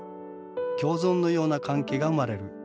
共存のような関係が生まれる。